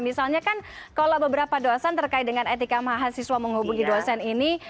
misalnya kan kalau beberapa dosen terkait dengan etika mahasiswa menghubungi dosen ini